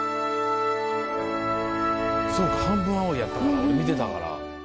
そうか『半分、青い。』やったから俺見てたから。